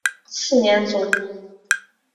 次年卒。